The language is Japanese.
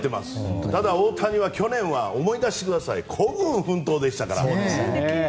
ただ大谷は去年を思い出してください孤軍奮闘でしたから。